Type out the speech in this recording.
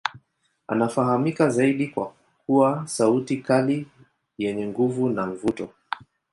Anafahamika zaidi kwa kuwa sauti kali yenye nguvu na mvuto.